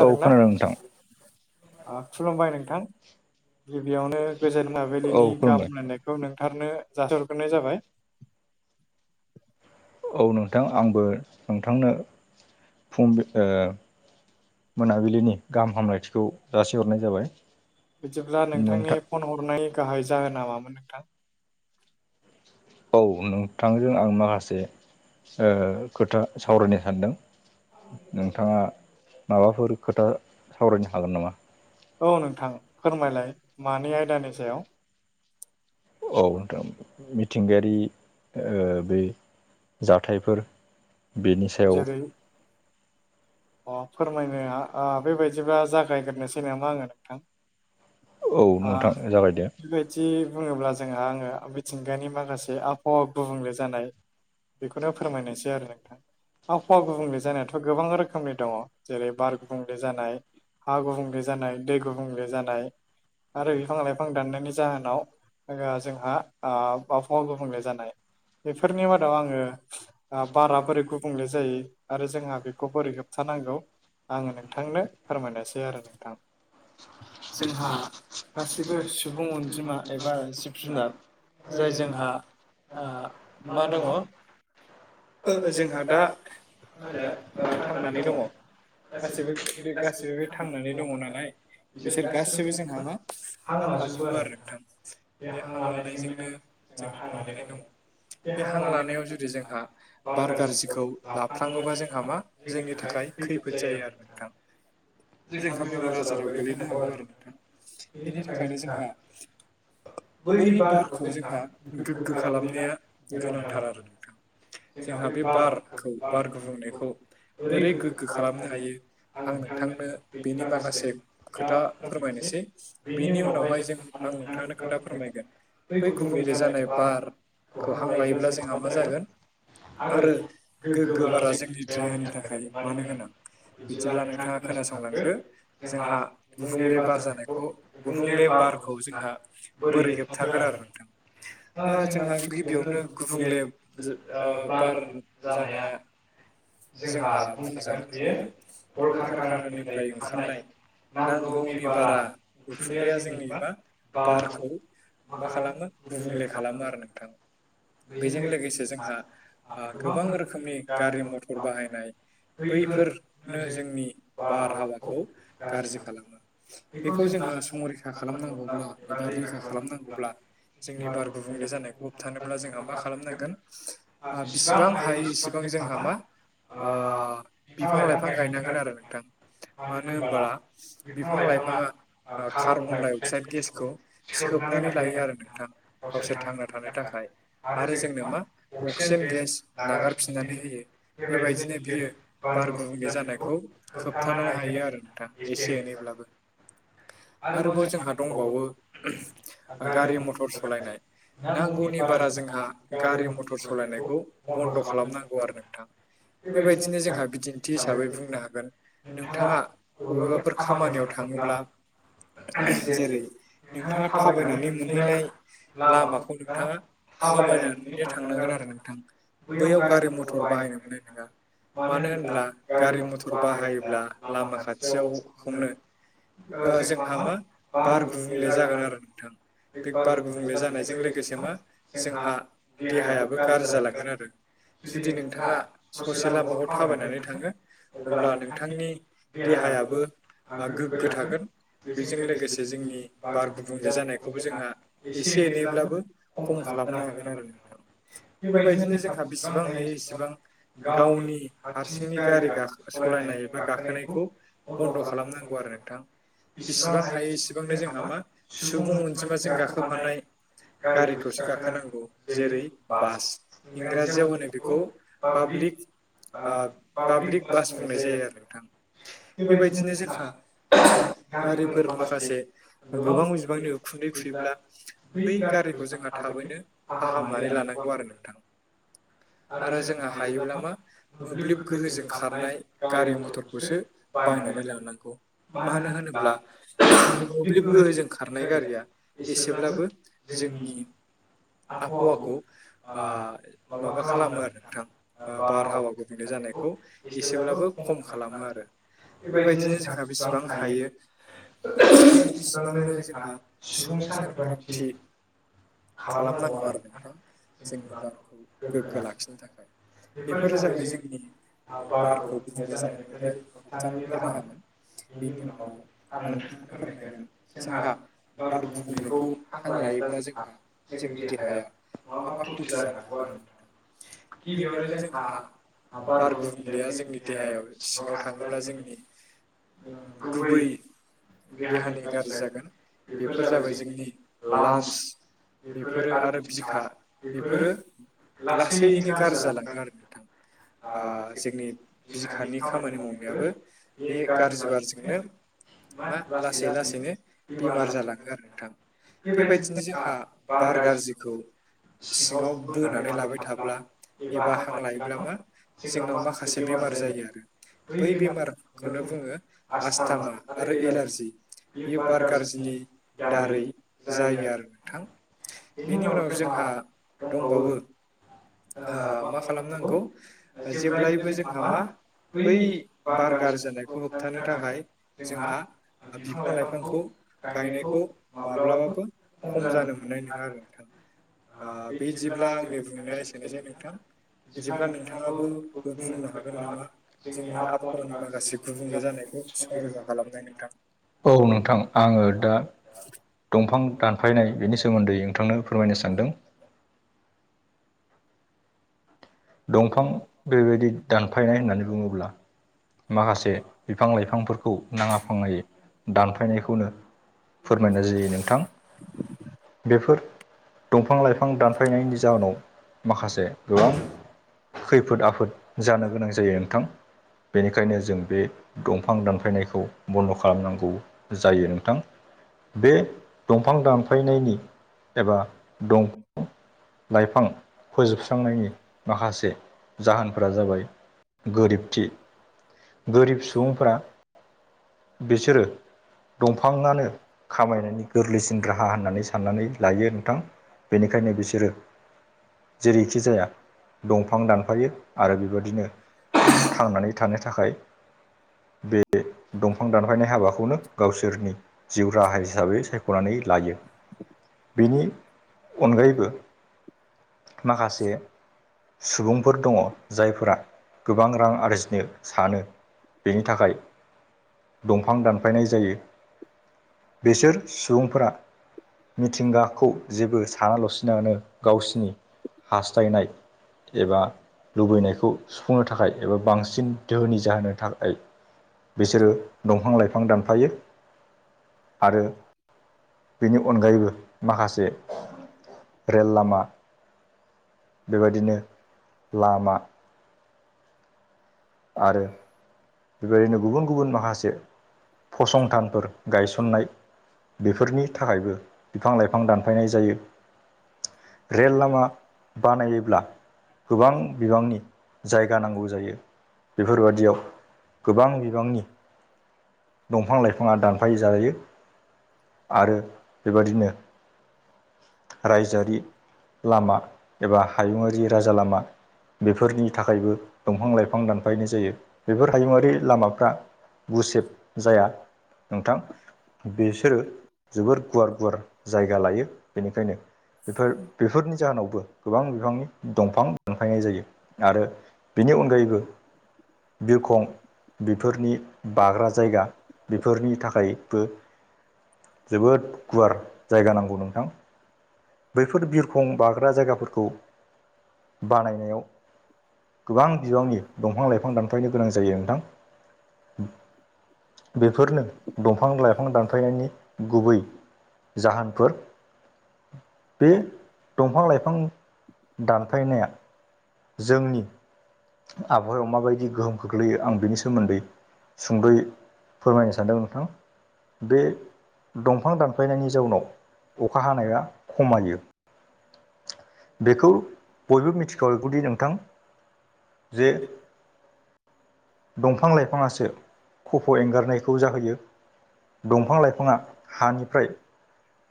औ खोनादों नोंथां खुलुमबाय नोंथां गिबियावनो गोजोन औ मोनाबिलिनि गाहाम खुलुमबाय हामलायनायखौ नोंथारनो जासिहरग्रोनाय जाबाय औ नोंथां आंबो नोंथांनो फुंबि ओ मोनाबिलिनि गाहाम हामलायथिखौ जासिहरनाय जाबाय बिदिब्ला नोंथांनि नोंथां फन हरनाय गाहाय जाहोना मामोन नोंथां औ नोंथांजों आं माखासे खोथा सावरायनो सानदों नोंथाङा माबाफोर खोथा सावरायनो हागोन नामा औ नोंथां फोरमायलाय मानि आयदानि सायाव औ नोंथां मिथिंगायारि बे जाथायफोर बेनि सायाव जेरै अ फोरमायनो बेबायदिबा जागायग्रोनोसै नामा आङो नोंथां औ अ नोंथां [unintelligible] जागायदो बिदि बुङोब्ला जोंहा आङो मिथिंगानि माखासे आबहावा गुबुंले जानाय बेखौनो फोरमायनोसै आरो नोंथां आबहावा गुबुंले जानायाथ' गोबां रोखोमनि दङ' जेरै बार गुबुंले जानाय हा गुबुंले जानाय दै गुबुंले जानाय आरो बिफां लाइफां दाननायनि जाहोनाव जोङो जोंहा ओ आबाहावा गुबुंले जानाय बेफोरनि मादाव आङो आ बारा बोरै गुबुंले जायो आरो जोंहा बेखौ बोरै होबथानांगौ आङो नोंथांनो फोरमायनोसै आरो नोंथां जोंहा गासैबो सुबुं अनजिमा एबा जिब जुनार जाय जोंहा आ मा दङ' [inaudible] जोंहा [unintelligible] दा मा होनो ओ थांनानै दङ' गासैबो बे गासैबो थांनानै दङ'नालाय बिसोर गासैबो जोंहा मा हां लाजोबो आरो नोंथां बे हां लानायजोंनो जोंहा थांनानै दङ' बे हां लानायाव जुदि जोंहा बार गाज्रि खौ लाफ्लाङोबा जोंहा मा जोंनि थाखाय खैफोद जायो आरो नोंथां। जोंहा बेमार आजाराव गोलैनो हागौ आरो नोंथां। बेनि थाखायनो जोंहा ओइनि बारखौ जोंहा गोग्गो खालामनाया गोनांथार आरो नोंथां। [unintelligible] खौ बार गुबुंनायखौ बोरै गोग्गो खालामनो हायो आं नोंथांनो बेनि माखासे खोथा फोरमायनोसै बेनि उनावहाय जों आं नोंथांनो खोथा फोरमायगोन बै गुबुंले जानाय बारखौ हां लायोब्ला जोंहा मा जागोन आङो गोगो बारा जोंनि देहानि थाखाय मानो गोनां? बिदिब्ला नोंथाङा खोनासंलांदो जोंहा गुबुंले बार जानायखौ गुबुंले बारखौ जोंहा बोरै होबथागोन आरो नोंथां? ओ जोंहा गिबियावनो गुबुंले जो ओ बार जानाया जोंहा बुंजागोन बेयो कल कारखानानिफ्राय ओंखारनाय नांगौनि बारा उखुनदैया जोंनि बा बारखौ मा खालामो गुबुंले खालामो आरो नोंथां। बेजों लोगोसे जोंहा आ गोबां रोखोमनि गारि मथर बाहायनाय बैफोरनो जोंनि बारहावाखौ गाज्रि खालामो बेखौ जोंहा संरैखा खालामनांगौब्ला एबा रैखा खालामनांगौब्ला जोंनि बार गुबुंले जानो होथानोब्ला जोंहा मा खालामनांगोन बिसिबां हायो इसेबां जोंहा मा आ बिफां लाइफां गायनांगोन आरो नोंथां। मानो होनबाला बिफां लाइफाङा ओ कार्बन डाइ अक्साइद गेसखौ सोबनानै लायो आरो नोंथां। गावसोर थांना थानो थाखाय आरो जोंनो मा अक्सिजेन गेस नागारफिननानै होयो। बेबायदिनो बियो बार गुबुंले जानायखौ खोबथानो हायो आरो नोंथां। एसे एनैब्लाबो [inaudible] आरोबाव जोंहा दंबावो गारि मथर सालायनाय। नांगौनि बारा जोंहा गारि मथर सलायनायखौ बन्द' खालामनांगौ आरो नोंथां। बेबायदिनो जोंहा बिदिन्थि हिसाबै बुंनो हागोन नोंथाङा बबे फोर खामानियाव थाङोब्ला जेरै नोंथाङा थाबायनानै मोनहैनाय लामाखौ नोंथाङा थाबायनानै थांनांगोन आरो नोंथां बैयाव गारि मथर बाहायनो मोननाय नङा। मानो होनब्ला गारि मथर बाहायोब्ला लामा खाथियावखौनो ओ जोंहा मा बार गुबुंले जागोन आरो नोंथां। बे बार गुबुंले जानायजों लोगोसे मा जोंहा देहायाबो गाज्रि जालांगोन आरो। जुदि नोंथाङा ससे लामाखौ थाबायनानै थाङो अब्ला नोंथांनि देहायाबो ओ आंगोफोर गोग्गो थागोन बेजों लोगोसे जोंनि बार गुबुंले जानायखौबो जोंहा एसे एनैब्लाबो खम खालामनो हागोन आरो नोंथां बेबायदिनो जोंहा बेसेबां हायो एसेबां गावनि हारसिंनि गारि गाखो सालायनाय एबा गाखोनायखौ बन्द' खालामनांगौ आरो। बिसिबां हायो इसेबांनो जोंहा मा सुबुं अनजिमााजों गाखोफानाय गारिखौसो गाखोनांगौ जेरै बास इंराजियाव होनो बेखौ पाब्लिक ओ पाब्लिक बास बुंनाय जायो आरो नोंथां। बेबायदिनो जोंहा [inaudible] गारिफोर माखासे ओ गोबां बिबांनि खुन्दै खुैब्ला बै गारिखौ जोंहा थाबैनो फाहामनानै लानांगौ आरो नोंथां आरो जोंहा हायोब्ला मा मोब्लिब गोहोजों खारनाय गारि मथरखौसो बायनानै लानांगौ मानो होनोब्ला मोब्लिब गोहोजों खारनाय गारिया एसेब्लाबो जोंनि आबहावाखौ ओ माबा खालामो आरो नोंथां बारहावा गुबुंले जानायखौ एसेब्लाबो खम खालामो आरो बेबायदिनो जोंहा बेसिबां हायो इसिबांनो जोंहा सुबुं सांग्रांथि खालामनांगौ आरो नोंथां जोंनि बारखौ गोग्गो लाखिनो थाखाय बेफोरो जाबाय जोंनि बारखौ [unintelligible] नाय जानायनिफ्राय होबथानायनि राहामोन बेनि उनाव आं नोंथांनो फोरमायगोन जोंहा बार गुबुंनायखौ हां लायोब्ला जोंहा जोंनि देहाया मा मा खथि जानो हागौ गिबियावनो जोंहा बार गुबुंलेया जोंनि देहायाव सिङाव थाङोब्ला जोंनि गुबै देहानि गाज्रि जागोन बेफोर जाबाय जोंनि लान्स बेफोरो आरो बिखा बेफोरो लासैयैनो गाज्रि जालाङो आरो नोंथां जोंनि बिखानि खामानि मावनायाबो बे गाज्रि बारजोंनो मा लासै लासैनो बेमार जालाङो आरो नोंथां बेबायदिनो जोंहा बार गाज्रिखौ सिङाव बोनानै लाबाय थाब्ला एबा हां लायोब्ला मा जोंनाव माखासे बेमार जायो आरो बै बेमारखौनो बुङो आस्थामा आरो एलारजि बेयो बार गाज्रिनि दारै जायो आरो नोंथां बेनि उनाव जोंहा दंबावो मा खालामनांगौ जेब्लायबो जोंहा मा बै बार गाज्रि जानायखौ होबथानो थाखाय जोंहा बिफां लाइफांखौ गायनायखौ माब्लाबाबो खम जानो मोननाय नङा आरो नोंथां बिदिब्ला आंनि बुंनाया एसेनोसै नोंथां बिदिब्ला नोंथाङाबो बुंनो हागोन नामा जोंनि आबहावानि माखासे गुबुंले जानायखौ संरैखा खालामनाय नोंथां औ नोंथां आङो दा दंफां दानफायनाय बेनि सोमोन्दै नोंथांनो फोरमायनो सानदों दंफां बेबायदि दानफायनाय होननानै बुङोब्ला माखासे बिफां लाइफांफोरखौ नाङा फाङायै दानफायनायखौनो फोरमायनाय जायो नोंथां बेफोर दंफां लाइफां दानफायनायनि जाहोनाव माखासे गोबां खैफोद आफोद जानो गोनां जायो नोंथां बेनिखायनो जों बे दंफां दानफायनायखौ बन्द' खालामनांगौ जायो नोंथां बे दंफां दानफायनायनि एबा दंफां लाइफां फोजोबस्रांनायनि माखासे जाहोनफोरा जाबाय गोरिबथि गोरिब सुबुंफोरा बिसोरो दंफाङानो खामायनायनि गोरलैसिन राहा होननानै साननानै लायो नोंथां बेनिखायनो बिसोरो जेरैखि जाया दंफां दानफायो आरो बेबायदिनो थांनानै थानो थाखाय बे दंफां दानफायनाय हाबाखौनो गावसोरनि जिउ राहा हिसाबै सायख'नानै लायो बिनि अनगायैबो माखासे सुबुंफोर दङ जायफोरा गोबां रां आरजिनो सानो बेनि थाखाय दंफां दानफायनाय जायो बेसोर सुबुंफोरा मिथिंगाखौ जेबो सानाला'सिनानो [unintelligible] गावसिनि हास्थायनाय एबा लुबैनायखौ सुफुंनो थाखाय एबा बांसिन दोहोनि जानो थाखाय बिसोरो दंफां लाइफां दानफायो आरो बेनि अनगायैबो माखासे रेल लामा बेबायदिनो लामा आरो बेबायदिनो गुबुन गुबुन माखासे फसंथानफोर गायसननाय बेफोरनि थाखायबो बिफां लाइफां दानफायनाय जायो रेल लामा बानायोब्ला गोबां बिबांनि जायगा नांगौ जायो बेफोरबादियाव गोबां बिबांनि दंफां लाइफाङा दानफाय जायो आरो बेबादिनो रायजोआरि लामा एबा हायुङारि राजा लामा बेफोरनि थाखायबो दंफां लाइफां दानफायनाय जायो बेफोर हायुंआारि लामाफ्रा गुसेब जाया नोंथां बेसोरो जोबोर गुवार गुवार जायगा लायो बेनिखायनो बेफोर बेफोरनि जाहोनावबो गोबां बिफांनि दंफां दानफायनाय जायो आरो बेनि अनगायैबो बिरखं बेफोरनि बाग्रा जायगा बेफोरनि थाखायबो जोबोद गुवार जायगा नांगौ नोंथां बैफोर बिरखं बाग्रा जायगाफोरखौ बानायनायाव गोबां बिबांनि दंफां लाइफां दानफायनो गोनां जायो नोंथां बेफोरनो दंफां लाइफां दानफायनायनि गुबै जाहोनफोर बे दंफां लाइफां दानफायनाया जोंनि आबहावायाव माबायदि गोहोम खोख्लैयो आं बिनि सोमोन्दै सुंद'यै फोरमायनो सानदों नोंथां बे दंफां दानफायनायनि जाउनाव अखा हानाया खमायो बेखौ बयबो मिथिखागौदि नोंथां जे दंफां लाइफाङासो खफ' एंगारनायखौ जाहोयो दंफां लाइफाङा हानिफ्राय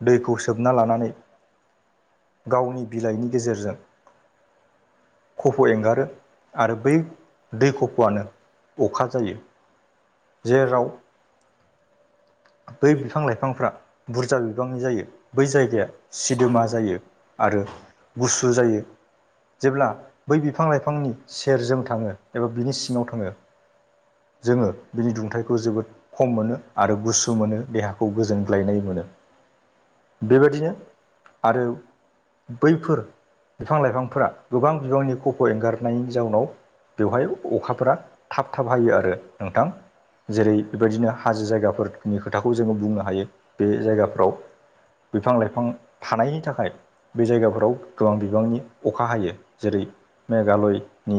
दैखौ सोबना लानानै गावनि बिलाइनि गेजेरजों खफ' एंगारो आरो बै दै खफ'आनो अखा जायो जेराव बै बिफां लाइफांफ्रा बुरजा बिबांनि जायो बै जायगाया सिदोमा जायो आरो गुसु जायो जेब्ला बै बिफां लाइफांनि सेरजों थाङो एबा बिनि सिङाव थाङो जोङो बिनि दुंथाइखौ जोबोद खम मोनो आरो गुसु मोनो देहाखौ गोजोनग्लायनाय मोनो बेबायदिनो आरो बैफोर बिफां लाइफांफोरा गोबां बिबांनि खफ' एंगारनायनि जाउनाव बेवहाय अखाफोरा थाब थाब हायो आरो नोंथां जेरै बेबायदिनो हाजो जायगाफोर नि खोथाखौ जोङो बुंनो हायो बे जायगाफ्राव बिफां लाइफां थानायनि थाखाय बे जायगाफोराव गोबां बिबांनि अखा अखा हायो जेरै मेघालयनि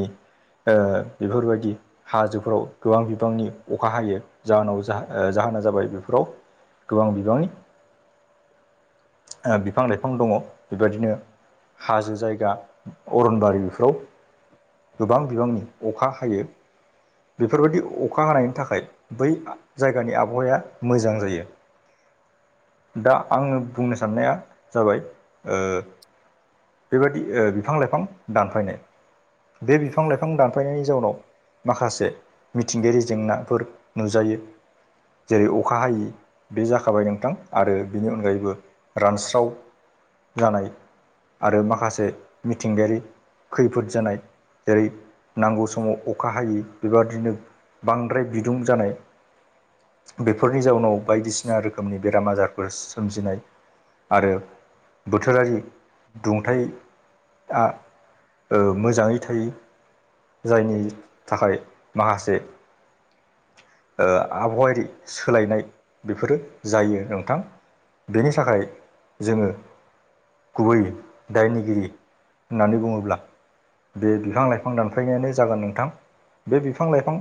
बेफोरबायदि हाजोफोराव गोबां बिबांनि अखा हायो जाहोनाव जोन [unintelligible] जाबाय बेफोराव गोबां बिबांनि बिफां लाइफां दङ बेबायदिनो हाजो जायगा अरनबारि बेफोराव गोबां बिबांनि अखा हायो। बेफोरबायदि अखा हानायनि थाखाय बै जायगानि आबहावाया मोजां जायो। दा आङो बुंनो साननाया जाबाय ओ बेबायदि बिफां लाइफां दानफायनाय बे बिफां लाइफां दानफायनायनि जाउनाव माखासे मिथिंगायारि जेंनाफोर नुजायो। जेरै अखा हायि बे जाखाबाय नोंथां आरो बेनि अनगायैबो रानस्राव जानाय आरो माखासे मिथिंगायारि खैफोद जानाय जेरै नांगौ समाव अखा हायै बेबादिनो बांद्राय बिदुं जानाय। बेफोरनि जाउनाव बायदिसिना रोखोमनि बेराम आजारफोर सोमजिनाय आरो बोथोरारि दुंथायआ मोजाङै थायो जायनि थाखाय माखासे ओ आबहावायारि सोलायनाय बेफोरो जायो नोंथां। बेनि थाखाय जोङो गुबै दायनिगिरि होननानै बुङोब्ला बे बिफां लाइफां दानफायनायानो जागोन नोंथां बे बिफां लाइफां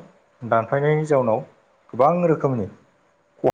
दानफायनायनि जाउनाव गोबां रोखोमनि